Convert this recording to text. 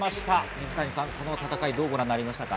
水谷さん、どうご覧になりましたか？